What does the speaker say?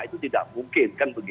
itu tidak mungkin